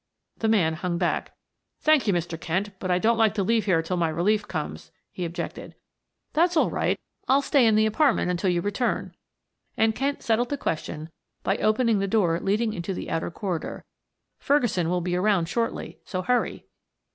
The man hung back. "Thank you, Mr. Kent, but I don't like to leave here until my relief comes," he objected. "That's all right, I'll stay in the apartment until you return," and Kent settled the question by opening the door leading into the outer corridor. "Ferguson will be around shortly, so hurry."